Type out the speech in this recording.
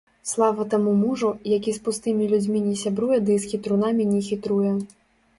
Слава таму мужу, які з пустымі людзьмі не сябруе ды з хітрунамі не хітруе.